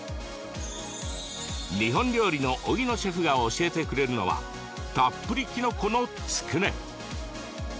日本料理の荻野シェフが教えてくれるのはたっぷりきのこのつくね。